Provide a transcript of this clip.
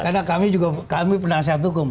karena kami juga penasihat hukum